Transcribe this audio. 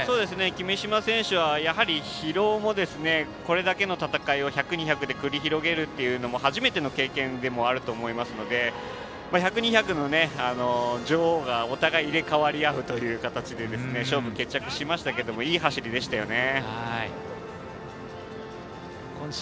君嶋選手はやはり疲労も、これだけの戦いを１００、２００で繰り広げるのも初めての経験ではあると思いますので１００、２００の女王がお互い入れ代わりあうという形で勝負、決着しましたけどいい走りでしたね。